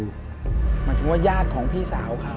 หมายถึงว่าญาติของพี่สาวเขา